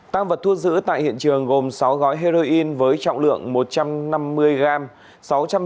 tăng vật thu giữ tại hiện trường gồm sáu gói heroin với trọng lượng một trăm năm mươi gram